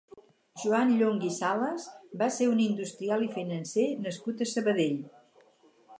Joan Llonch i Salas va ser un industrial i financer nascut a Sabadell.